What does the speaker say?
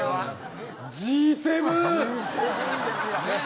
Ｇ７。